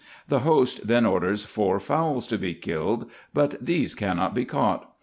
The host then orders four fowls to be killed ; but these cannot be caught.